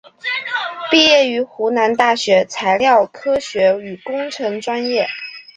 毕业于湖南大学材料科学与工程专业。